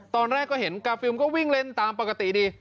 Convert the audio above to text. ตอนแรกก็เห็นกาฟิลก็วิ่งเล่นตามปกติดี